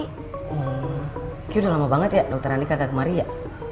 oh gigi udah lama banget ya dokter andi kagak kemari ya